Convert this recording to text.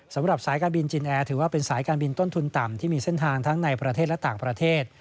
สำหรับสายการบินจินแอร์ถือว่าเป็นสายการบินต้นทุนต่ำที่มีเส้นทางทั้งในประเทศและต่างประเทศ